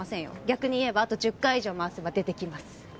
逆に言えばあと１０回以上回せば出てきます